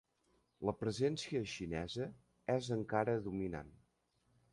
La presència xinesa és encara dominant.